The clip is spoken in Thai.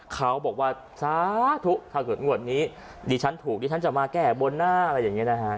เขาบอกว่าสาธุถ้าเกิดงวดนี้ดิฉันถูกดิฉันจะมาแก้บนหน้าอะไรอย่างนี้นะฮะ